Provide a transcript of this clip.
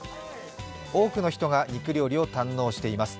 多くの人が肉料理を堪能しています。